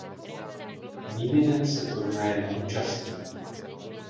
Nieminen se turnaje neúčastnil.